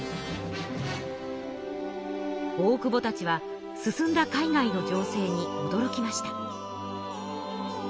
大久保たちは進んだ海外の情勢におどろきました。